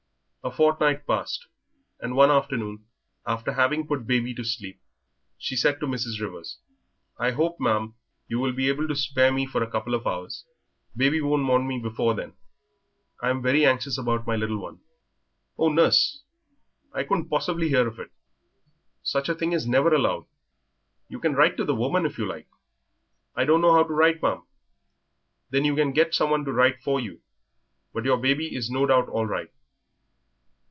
A fortnight passed, and one afternoon, after having put baby to sleep, she said to Mrs. Rivers, "I hope, ma'am, you'll be able to spare me for a couple of hours; baby won't want me before then. I'm very anxious about my little one." "Oh, nurse, I couldn't possibly hear of it; such a thing is never allowed. You can write to the woman, if you like." "I do not know how to write, ma'am." "Then you can get some one to write for you. But your baby is no doubt all right."